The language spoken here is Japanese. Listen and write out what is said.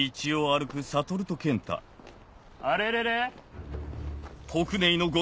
あれれれ。